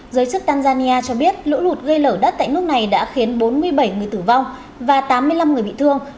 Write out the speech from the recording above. giới chức tanzania cho biết lũ lụt gây lở đất tại nước này đã khiến bốn mươi bảy người tử vong và tám mươi năm người bị thương